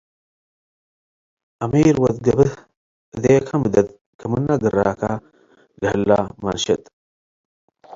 አሚር ወድ ገ’በህ እዴከ ምደድ ከምነ ግራከ ለህለ መንሸጥ